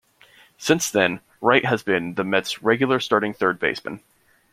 Since then, Wright has been the Mets regular starting third baseman.